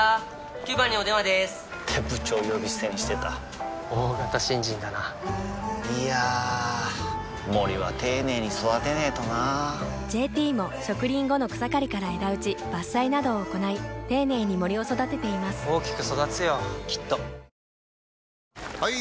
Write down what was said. ９番にお電話でーす！って部長呼び捨てにしてた大型新人だないやー森は丁寧に育てないとな「ＪＴ」も植林後の草刈りから枝打ち伐採などを行い丁寧に森を育てています大きく育つよきっと・はい！